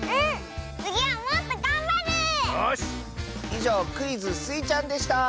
いじょうクイズ「スイちゃん」でした！